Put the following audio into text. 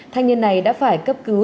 thanh niên này đã phải cấp cứu